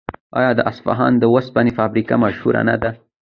آیا د اصفهان د وسپنې فابریکه مشهوره نه ده؟